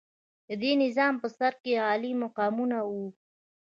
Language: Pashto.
د دې نظام په سر کې عالي مقامونه وو.